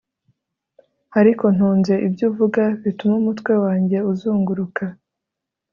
Ariko ntunze ibyo uvuga bituma umutwe wanjye uzunguruka